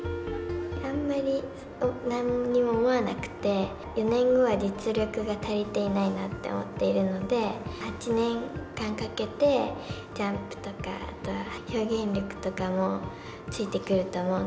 あんまりなんにも思わなくて、４年後は実力が足りていないなって思っているので、８年間かけて、ジャンプとか、あとは表現力とかもついてくると思う。